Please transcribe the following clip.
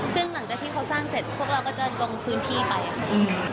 ซึ่งหลังจากที่เขาสร้างเสร็จพวกเราก็จะลงพื้นที่ไปค่ะ